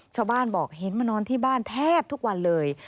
ชาวบ้านบอกเห็นมานอนที่บ้านแทบทุกวันเลย